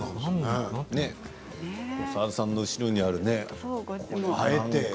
澤田さんの後ろにある。